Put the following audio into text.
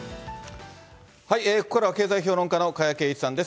ここからは経済評論家の加谷珪一さんです。